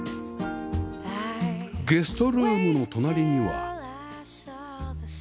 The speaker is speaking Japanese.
ゲストルームの隣には